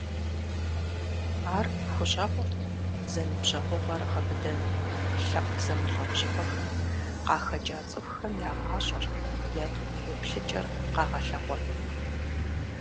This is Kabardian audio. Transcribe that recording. Ар хущӏэкъурт зэныбжьэгъугъэр гъэбыдэным, лъэпкъ зэмылӀэужьыгъуэхэм къахэкӀа цӀыхухэм я гъащӀэр, я дуней еплъыкӀэр къэгъэлъэгъуэным.